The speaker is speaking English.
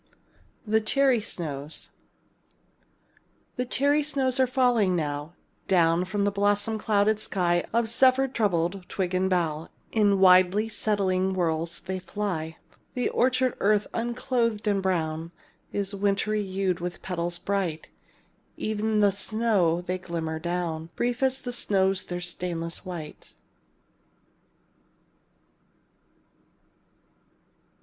THE CHERRY SNOWS The cherry snows are falling now; Down from the blossom clouded sky Of zephyr troubled twig and bough, In widely settling whirls they fly. The orchard earth, unclothed and brown, Is wintry hued with petals bright; E'en as the snow they glimmer down; Brief as the snow's their stainless white.